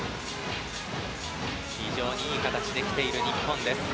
非常にいい形で来ている日本。